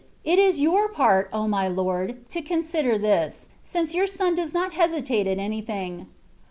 It is your part, O my Lord ! to consider this, since your Son does not hesitate at anything.